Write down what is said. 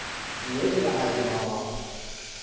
ねぎが入ります。